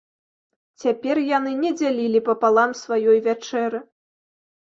Цяпер яны не дзялілі папалам сваёй вячэры.